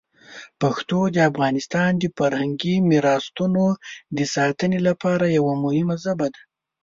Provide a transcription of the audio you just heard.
پښتو د افغانستان د فرهنګي میراتونو د ساتنې لپاره یوه مهمه ژبه ده.